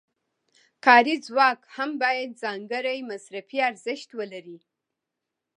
کاري ځواک هم باید ځانګړی مصرفي ارزښت ولري